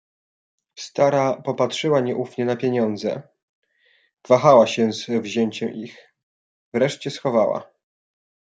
"Stara popatrzyła nieufnie na pieniądze, wahała się z wzięciem ich, wreszcie schowała."